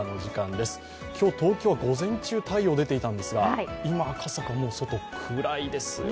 今日、東京は午前中は太陽が出ていたんですが、今、赤坂、外暗いですよ。